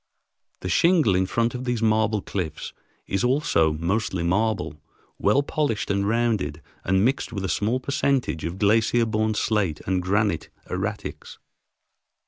The shingle in front of these marble cliffs is also mostly marble, well polished and rounded and mixed with a small percentage of glacier borne slate and granite erratics.